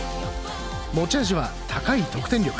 持ち味は高い得点力。